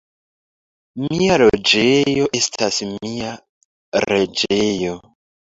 Mia loĝejo estas mia reĝejo.